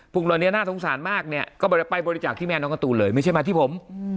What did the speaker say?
ภูมิเราเนี่ยน่าสงสารมากเนี่ยก็ไปบริจาคที่แม่น้องกระตูลเลยไม่ใช่มาที่ผม